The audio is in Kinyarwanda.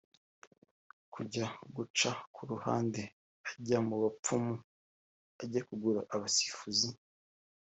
Kujya guca ku ruhande ujya mu bapfumu ujya kugura abasifuzi